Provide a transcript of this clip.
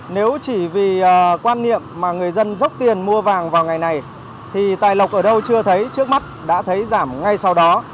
nếu chỉ vì quan niệm mà người dân dốc tiền mua vàng vào ngày này thì tài lộc ở đâu chưa thấy trước mắt đã thấy giảm ngay sau đó